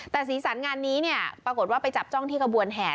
แต่สีสันงานนี้เนี่ยปรากฏว่าไปจับจ้องที่กระบวนแห่